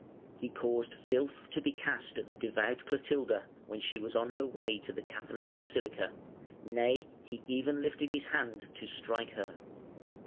He caused filth to be cast at the devout Clotilda, when she was on her way to the Catholic basilica, nay, he even lifted his hand to strike her.